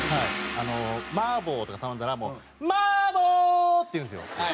マーボーとか頼んだらもう「マボ！」って言うんですよ。